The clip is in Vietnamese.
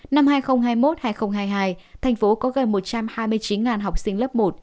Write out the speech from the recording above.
năm hai nghìn hai mươi một hai nghìn hai mươi hai thành phố có gần một trăm hai mươi chín học sinh lớp một